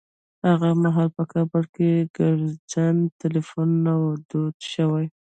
هغه مهال په کابل کې ګرځنده ټليفونونه نه وو دود شوي.